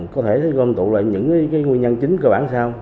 có thể gom tụ lại những nguyên nhân chính cơ bản sao